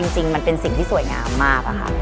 จริงมันเป็นสิ่งที่สวยงามมากอะค่ะ